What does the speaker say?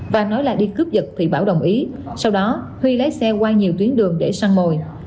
và nói là đi cướp dật thì bảo đồng ý sau đó huy lái xe qua nhiều tuyến đường để săn mồi